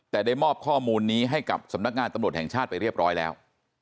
แต่ได้มอบข้อมูลนี้ให้กับสำนักงานตำรวจแห่งชาติไปเรียบร้อยแล้ว